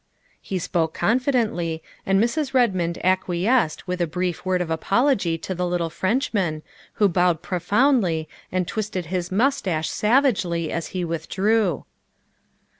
He spoke confidently, and Mrs. Redmond acquiesced with a brief word of apology to the little Frenchman, who bowed profoundly and twisted his mustache sav agely as he withdrew.